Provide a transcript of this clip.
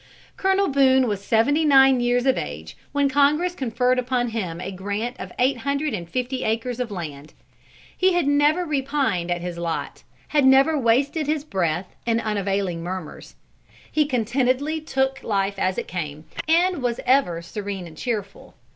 Colonel Boone was seventy nine years of age when Congress conferred upon him a grant of eight hundred and fifty acres of land. He had never repined at his lot, had never wasted his breath in unavailing murmurs. He contentedly took life as it came, and was ever serene and cheerful.